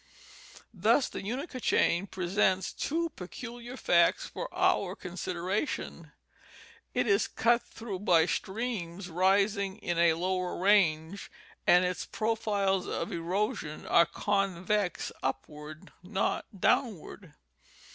Thus the Unaka chain presents two peculiar facts for our consideration ; it is cut through by streams rising in a lower range, and its profiles of erosion are convex upward not down ward.